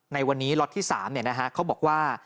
ในวันนี้ล็อตที่๓เขาบอกว่า